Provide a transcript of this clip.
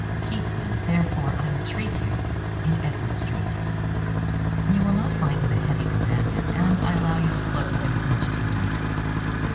Keep him, therefore, I entreat you, in Edward Street. You will not find him a heavy companion, and I allow you to flirt with him as much as you like.